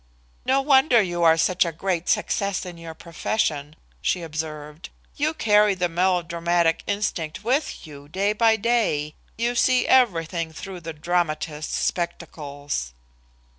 "No wonder you are such a great success in your profession!" she observed. "You carry the melodramatic instinct with you, day by day. You see everything through the dramatist's spectacles."